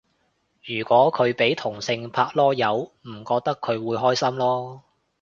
如果佢俾同性拍籮柚唔覺佢會開心囉